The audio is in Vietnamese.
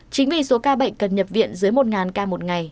chính vì số ca bệnh cần nhập viện dưới một ca một ngày